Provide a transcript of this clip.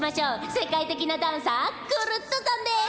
せかいてきなダンサークルットさんです！